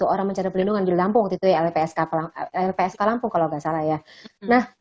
orang mencari perlindungan di lampung lpsk lampung kalau tidak salah